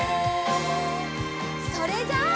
それじゃあ。